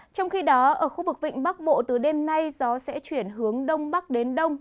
trong khi đó ở khu vực vịnh bắc bộ từ đêm nay gió sẽ chuyển hướng đông bắc đến đông